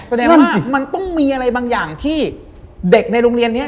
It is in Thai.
แสดงว่ามันต้องมีอะไรบางอย่างที่เด็กในโรงเรียนนี้